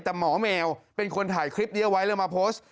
แต่หมอแมวเป็นคนถ่ายคลิปนี้เอาไว้แล้วมาโพสต์